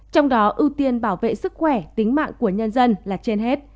trong đó ưu tiên bảo vệ sức khỏe tính mạng của nhân dân là trên hết